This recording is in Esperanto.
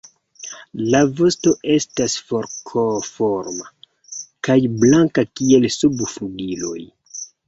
La vosto estas forkoforma kaj blanka kiel subflugiloj.